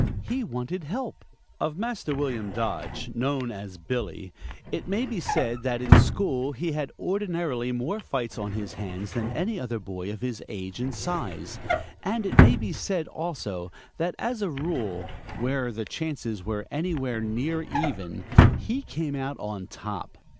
He wanted help. Of Master William Dodge, known as Billy, it may be said that in school he had ordinarily more fights on his hands than any other boy of his age and size, and it may be said, also, that as a rule, where the chances were anywhere near even, he came out "on top."